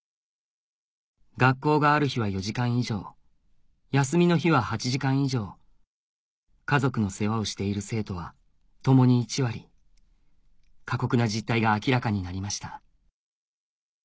学校がある日は４時間以上休みの日は８時間以上家族の世話をしている生徒はともに１割過酷な実態が明らかになりました